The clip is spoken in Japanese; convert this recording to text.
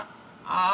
ああ？